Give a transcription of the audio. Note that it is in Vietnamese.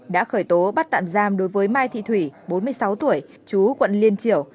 đã khởi tố bắt tạm giam đối với mai thị thủy bốn mươi sáu tuổi chú quận liên triểu